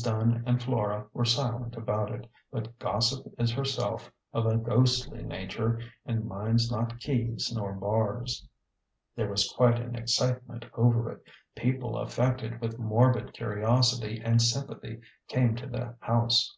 Dunn and Flora were silent about it, but Gossip is her self of a ghostly nature, and minds not keys nor bars. There was quite an excitement over it. People affected with morbid curiosity and sympathy came to the house.